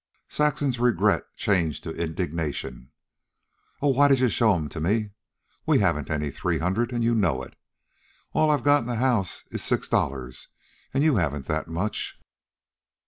Saxon's regret changed to indignation. "Oh, why did you show them to me? We haven't any three hundred, and you know it. All I've got in the house is six dollars, and you haven't that much."